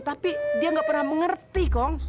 tapi dia gak pernah mengerti kok